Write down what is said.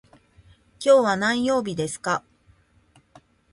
今日は何曜日ですか。